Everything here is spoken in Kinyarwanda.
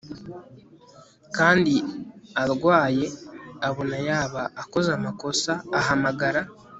kandi arwaye abona yaba akoze amakosa ahamagara